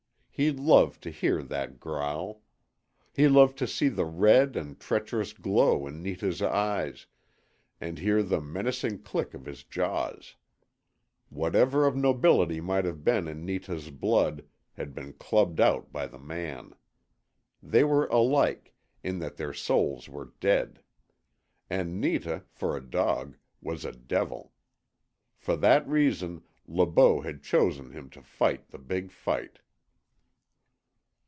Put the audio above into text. He loved to hear that growl. He loved to see the red and treacherous glow in Netah's eyes, and hear the menacing click of his jaws. Whatever of nobility might have been in Netah's blood had been clubbed out by the man. They were alike, in that their souls were dead. And Netah, for a dog, was a devil. For that reason Le Beau had chosen him to fight the big fight.